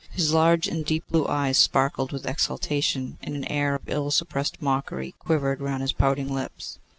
His large and deep blue eyes sparkled with exultation, and an air of ill suppressed mockery quivered round his pouting lips.